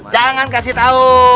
jangan kasih tau